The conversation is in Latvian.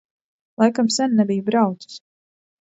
Laikam sen nebiju braucis.